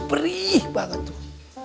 perih banget tuh